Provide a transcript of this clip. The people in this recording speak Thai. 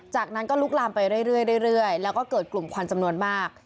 จากนั้นก็ลุกลามไปเรื่อยแล้วก็เกิดกลุ่มควันจำนวนมาก